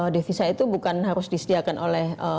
devisa itu bukan harus disediakan oleh